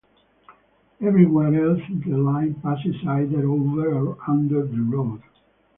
Everywhere else the line passes either over or under the road.